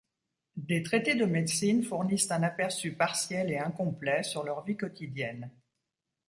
Des traités de médecine fournissent un aperçu partiel et incomplet, sur leur vie quotidienne.